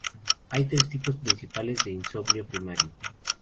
Hay tres tipos principales de insomnio primario.